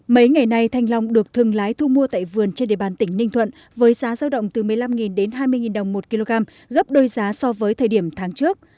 mấy ngày nay thanh long được thương lái thu mua tại vườn trên địa bàn tỉnh ninh thuận với giá giao động từ một mươi năm đến hai mươi đồng một kg gấp đôi giá so với thời điểm tháng trước